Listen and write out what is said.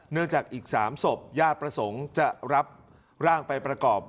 จากอีก๓ศพญาติประสงค์จะรับร่างไปประกอบ